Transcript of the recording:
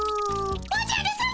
おじゃるさま！